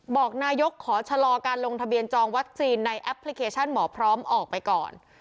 บอกนายกขอชะลอการลงทะเบียนจองวัคซีนในแอปพลิเคชันหมอพร้อมออกไปก่อน